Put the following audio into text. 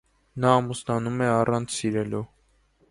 Նա ամուսնանում է առանց սիրելու։